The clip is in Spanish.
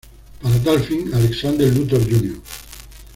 Para tal fin, Alexander Luthor Jr.